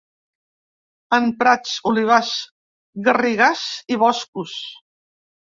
En prats, olivars, garrigars, i boscos.